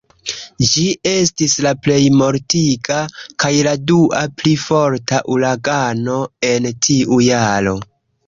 Ĝi estis la plej mortiga kaj la dua pli forta uragano en tiu jaro.